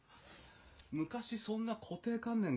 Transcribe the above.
昔そんな固定観念